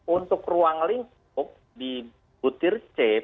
untuk ruang lingkung di butir cep